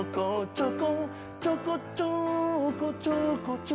ちょこちょこちょこちょ